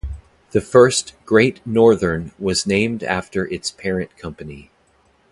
The first, "Great Northern", was named after its parent company.